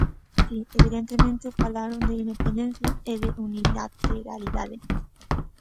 Si, evidentemente falaron de independencia e de unilateralidade.